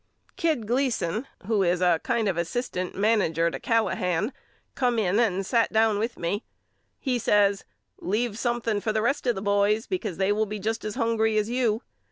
Kid Gleason who is a kind of asst. manager to Callahan come in and 16 YOU KNOW ME AL sat down with me. He says Leave something for the rest of the boys because they will be just as hungry as you.